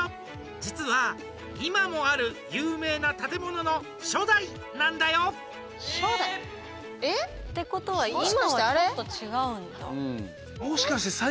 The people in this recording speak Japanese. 実は、今もある有名な建物の初代なんだよ。ってことは今は違うんだ。